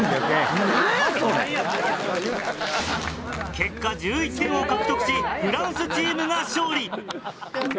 結果１１点を獲得しフランスチームが勝利。